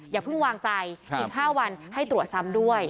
อย่าเพิ่งวางใจอีก๕วันให้ตรวจซ้ำด้วย